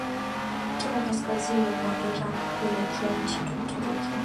kutoka kaskazini mwa iraq kuelekea nchi uturuki